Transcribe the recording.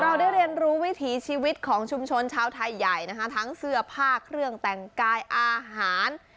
เราได้เรียนรู้วิถีชีวิตของชุมชนชาวไทยใหญ่นะคะทั้งเสื้อผ้าเครื่องแต่งกายอาหาร